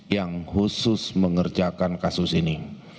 yang khusus mengerjakan kasus ini